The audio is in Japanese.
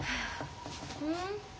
うん？